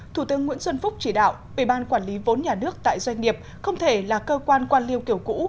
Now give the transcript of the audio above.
thủ tướng nguyễn xuân phúc chỉ đạo ủy ban quản lý vốn nhà nước tại doanh nghiệp không thể là cơ quan quan liêu kiểu cũ